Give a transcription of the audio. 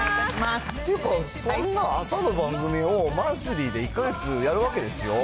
ていうか、そんな朝の番組をマンスリーで１か月やるわけですよ？